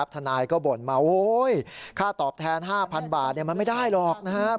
ทนายก็บ่นมาค่าตอบแทน๕๐๐๐บาทมันไม่ได้หรอกนะครับ